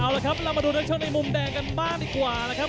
เอาละครับเรามาดูนักชกในมุมแดงกันบ้างดีกว่านะครับ